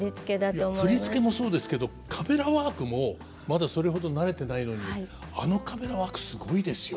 いや振付もそうですけどカメラワークもまだそれほど慣れてないのにあのカメラワークすごいですよ。